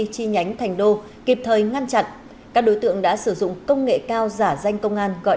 chi nhánh thành đô kịp thời ngăn chặn các đối tượng đã sử dụng công nghệ cao giả danh công an gọi